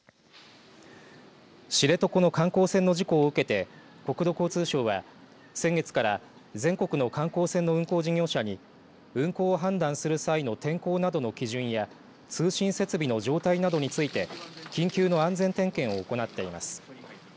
知床の観光船の事故を受けて国土交通省は先月から全国の観光船の運航事業者に運航を判断する際の天候などの基準や通信設備の状態などについて緊急の安全点検を行っています。